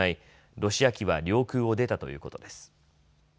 ロシア機は領空を出たということです。